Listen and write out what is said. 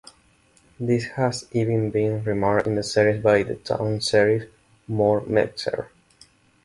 This has even been remarked in the series by the town sheriff, Mort Metzger.